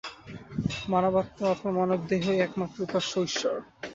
মানবাত্মা অথবা মানবদেহই একমাত্র উপাস্য ঈশ্বর।